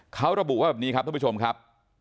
เขาระบุว่าแบบนี้ครับท่านผู้ชมครับ